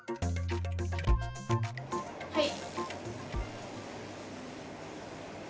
はい！